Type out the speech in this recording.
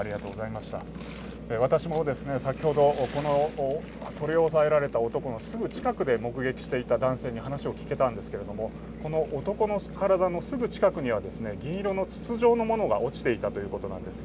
私も先ほど取り押さえられた男のすぐ近くで目撃していた男性に話を聞けたんですけれども、この男の体のすぐ近くには銀色の筒状のものが落ちていたということなんです。